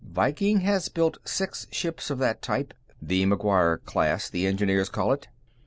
Viking has built six ships of that type the McGuire class, the engineers call it.